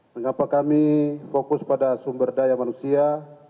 mengapa kami fokus pada sumber daya manusia